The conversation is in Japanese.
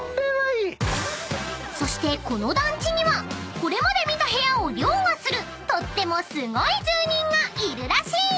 ［そしてこの団地にはこれまで見た部屋を凌駕するとってもすごい住人がいるらしい！］